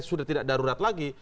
sudah tidak darurat lagi